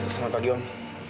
selamat pagi om